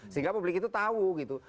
sehingga publik itu tahu gitu